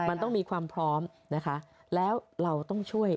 มันต้องมีความพร้อมนะคะแล้วเราต้องช่วย